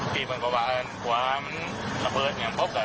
พี่มันก็ว่าหัวมันระเบิดอย่างพบ